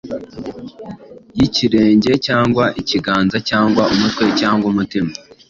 Yikirenge cyangwa ikiganza, cyangwa umutwe Cyangwa umutima,